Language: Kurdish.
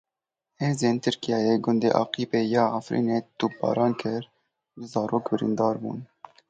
Hêzên Tirkiyeyê gundê Aqîbê yê Efrînê topbaran kirin, du zarok birîndar bûn.